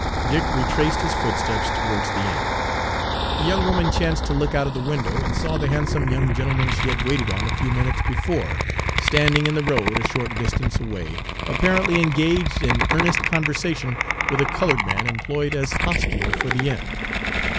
Dick retraced his footsteps towards the inn. The young woman chanced to look out of the window and saw the handsome young gentleman she had waited on a few minutes before, standing in the road a short distance away, apparently engaged in earnest conversation with a colored man employed as hostler Page 194 for the inn.